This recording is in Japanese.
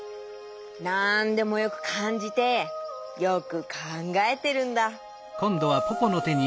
なんでもよくかんじてよくかんがえてるんだ。